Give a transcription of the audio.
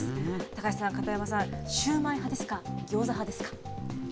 高瀬さん、片山さん、シューマイ派ですか、ギョーザ派ですか。